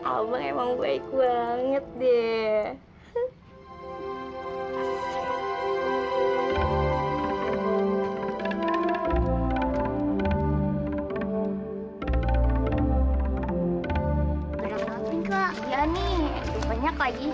abang emang baik banget deh